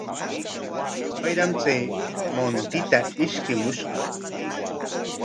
Wayram chay muntita ishkichishqa.